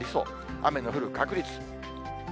雨の降る確率。